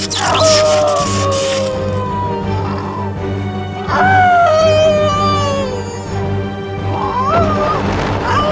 guruku terlalu mahal